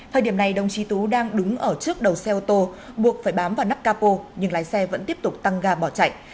thời điểm này đồng chí tú đang đứng ở trước đầu xe ô tô buộc phải bám vào nắp capo nhưng lái xe vẫn tiếp tục tăng ga bỏ chạy